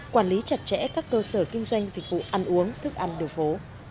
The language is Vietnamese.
quản lý chặt chẽ các cơ sở kinh doanh dịch vụ ăn uống thức ăn đường phố